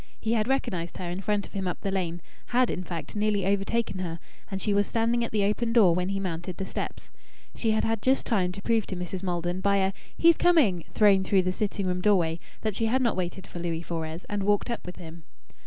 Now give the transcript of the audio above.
He had recognized her in front of him up the lane had, in fact, nearly overtaken her; and she was standing at the open door when he mounted the steps. She had had just time to prove to Mrs. Maldon, by a "He's coming" thrown through the sitting room doorway, that she had not waited for Louis Fores and walked up with him.